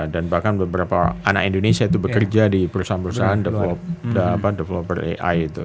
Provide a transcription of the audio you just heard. dan bahkan beberapa anak indonesia itu bekerja di perusahaan perusahaan developer ai itu